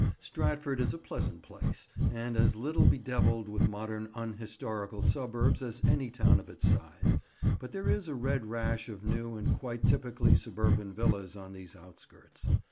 Stratford is a pleasant place, and as little bedevilled with modern unhistorical suburbs as any town of its size; but there is a red rash of new and quite typically suburban villas on these outskirts.